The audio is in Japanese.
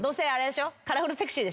カラフルセクシー？